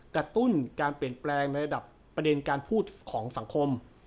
กระตุ้นการเปลี่ยนแปลงในระดับประเด็นการพูดของสังคม